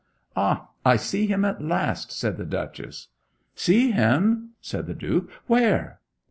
'Ah, I see him at last!' said the Duchess. 'See him!' said the Duke. 'Where?'